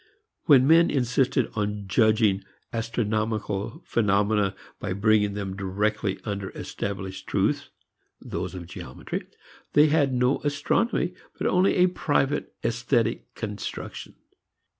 When men insisted upon judging astronomical phenomena by bringing them directly under established truths, those of geometry, they had no astronomy, but only a private esthetic construction.